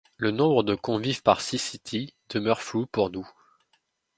Le nombre de convives par syssities demeure flou pour nous.